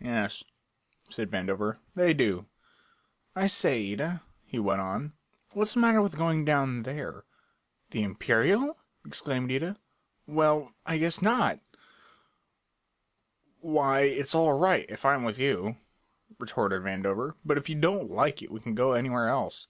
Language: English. "Oh, yes," said Vandover, "they do. I say, Ida," he went on, "what's the matter with going down there?" "The Imperial?" exclaimed Ida. "Well, I guess not!" "Why, it's all right, if I'm with you," retorted Vandover, "but if you don't like it we can go anywhere else."